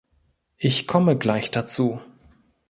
Ich komme gleich dazu.